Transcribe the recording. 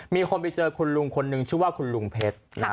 มีคนไปเจอคุณลุงคนนึงชื่อว่าคุณลุงเพชรนะฮะ